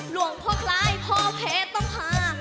หลวงพ่อคล้ายพ่อเพชรต้องพา